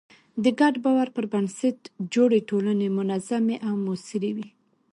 د ګډ باور پر بنسټ جوړې ټولنې منظمې او موثرې وي.